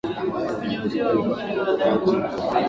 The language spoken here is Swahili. kwenye uzio wa ugodi wa dhahabu na pengine pale ilipo shule